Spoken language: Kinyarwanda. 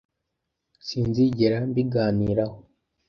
sinzigera mbiganiraho. ..